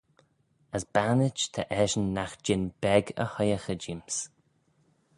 As bannit ta eshyn nagh jean beg y hoiaghey jeem's.